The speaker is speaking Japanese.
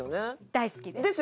大好きです。